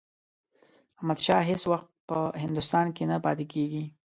احمدشاه هیڅ وخت په هندوستان کې نه پاتېږي.